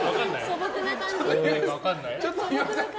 素朴な感じ？